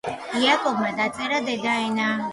იაკობ გოგებაშვილმა დაწერა დედაენა.